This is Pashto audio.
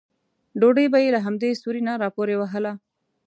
ډوډۍ به یې له همدې سوري نه راپورې وهله.